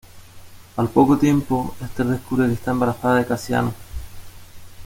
Al poco tiempo, Ester descubre que está embarazada de Cassiano.